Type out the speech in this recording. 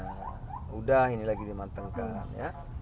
sudah ini lagi dimantengkan ya